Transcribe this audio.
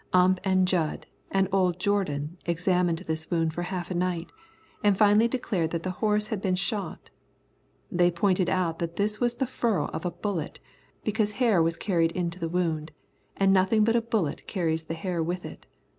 Ump and Jud and old Jourdan examined this wound for half a night, and finally declared that the horse had been shot. They pointed out that this was the furrow of a bullet, because hair was carried into the wound, and nothing but a bullet carries the hair with it.